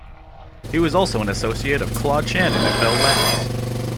He was also an associate of Claude Shannon at Bell Labs.